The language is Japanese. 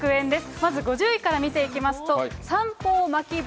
まず５０位から見ていきますと、三方巻笛。